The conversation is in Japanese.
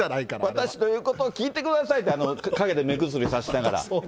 私の言うことを聞いてくださいって、陰で目薬さしながら。